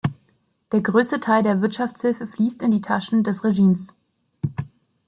Der größte Teil der Wirtschaftshilfe fließt in die Taschen des Regimes.